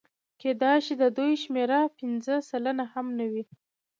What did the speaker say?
کېدای شي د دوی شمېره پنځه سلنه هم نه وي